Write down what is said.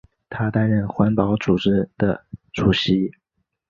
他担任环保组织的主席。